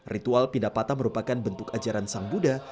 ritual pindah patah merupakan bentuk ajaran sang buddha